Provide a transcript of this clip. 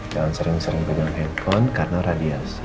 jangan sering sering pegang handphone karena radiasi